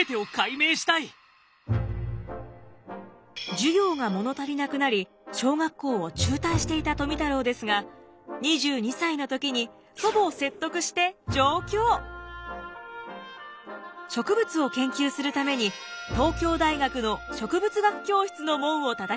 授業が物足りなくなり小学校を中退していた富太郎ですが植物を研究するために東京大学の植物学教室の門をたたきました。